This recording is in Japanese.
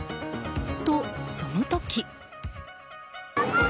と、その時。